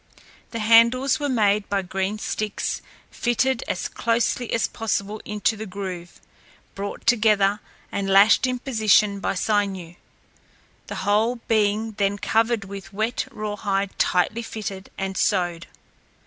The handles were made by green sticks fitted as closely as possible into the groove, brought together and lashed in position by sinew, the whole being then covered with wet rawhide tightly fitted and sewed.